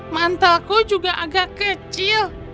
mantelku juga agak kecil